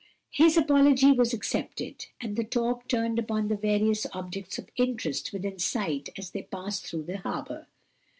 His apology was accepted, and the talk turned upon the various objects of interest within sight as they passed through the harbor.